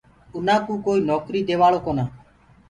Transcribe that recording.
اُنآ ڪو ڪوئيٚ نوڪريٚ ديوآ لآ ڪونآ۔